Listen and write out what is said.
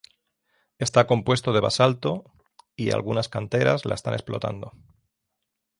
Está compuesto de basalto, y algunas canteras, la están explotando.